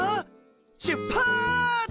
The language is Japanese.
しゅっぱつ！